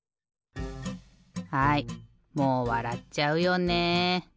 はいもうわらっちゃうよね。